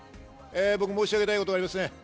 申し上げたいことがあります。